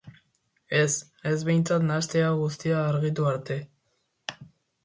Ez, ez behintzat nahaste hau guztia argitu arte.